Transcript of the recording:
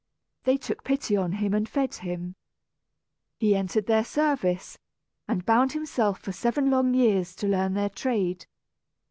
They took pity on him and fed him. He entered their service, and bound himself for seven long years to learn their trade.